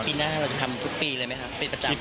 ปีหน้าเราจะทำทุกปีเลยไหมคะเป็นประจำ